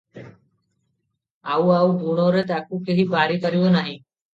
ଆଉ ଆଉ ଗୁଣରେ ତାକୁ କେହି ବାରି ପାରିବ ନାହିଁ ।